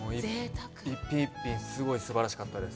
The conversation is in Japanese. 一品一品すごいすばらしかったです。